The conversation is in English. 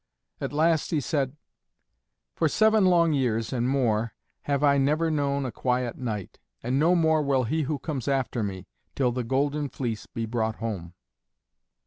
At last he said, "For seven long years and more have I never known a quiet night, and no more will he who comes after me, till the Golden Fleece be brought home."